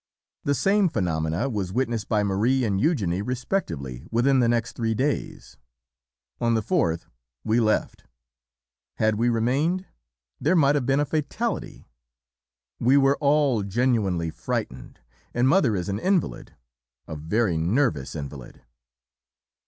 "The same phenomena was witnessed by Marie and Eugenie respectively within the next three days on the fourth we left. Had we remained, there might have been a fatality; we were all genuinely frightened and mother is an invalid a very nervous invalid.